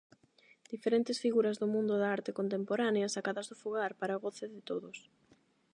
Diferentes figuras do mundo da arte contemporánea, sacadas do fogar para goce de todos.